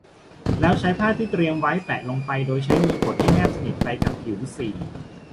แล้วใช้ผ้าที่เตรียมไว้แปะลงไปโดยใช้มือกดให้แนบสนิทไปกับผิว สี่